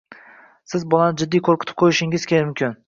siz bolani jiddiy qo‘rqitib qo‘yishingiz mumkin.